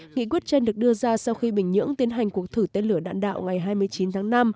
nghị quyết trên được đưa ra sau khi bình nhưỡng tiến hành cuộc thử tên lửa đạn đạo ngày hai mươi chín tháng năm